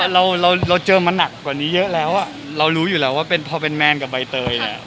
เรารู้อยู่แล้วว่าพอเป็นแมนกับใบเตยเนี่ย